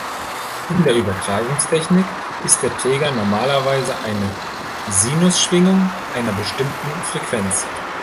In der Übertragungstechnik ist der Träger normalerweise eine Sinusschwingung einer bestimmten Frequenz.